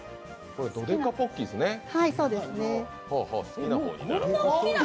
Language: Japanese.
ドデカポッキーですね。